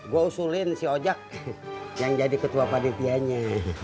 gue usulin si oja yang jadi ketua panitianya